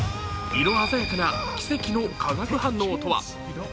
色鮮やかな奇跡の化学反応とは。